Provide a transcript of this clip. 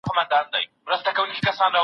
مفاهیم د څېړنې ځانګړي اړخونه نمایندګي کوي.